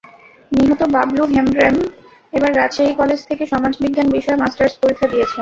নিহত বাবলু হেমব্রম এবার রাজশাহী কলেজ থেকে সমাজবিজ্ঞান বিষয়ে মাস্টার্স পরীক্ষা দিয়েছেন।